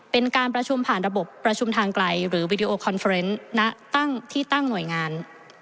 เป็นการประชุมผ่านระบบประชุมทางไกลหรือวิดีโอคอนเฟรนต์ณตั้งที่ตั้งหน่วยงาน